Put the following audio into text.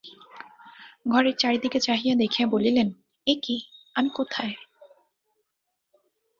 ঘরের চারি দিকে চাহিয়া দেখিয়া বলিলেন, এ কী, আমি কোথায়?